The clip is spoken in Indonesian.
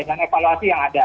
dan evaluasi yang ada